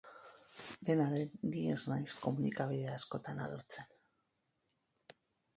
Dena den, ni ez naiz komunikabide askotan agertzen.